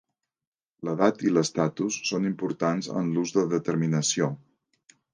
L'edat i l'estatus són importants en l'ús de determinació.